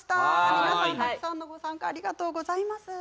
皆さん、たくさんのご参加ありがとうございます。